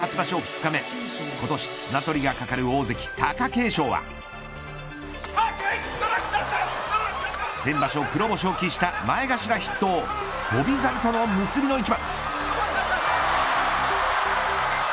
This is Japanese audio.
初場所２日目今年綱取りがかかる大関、貴景勝は先場所、黒星を喫した前頭筆頭翔猿との結びの一番。